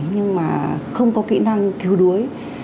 nhưng mà không có kỹ năng cứu đuối